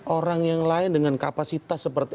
orang yang lain dengan kapasitas seperti